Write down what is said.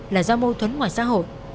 là do mâu thuẫn ngoài xã hội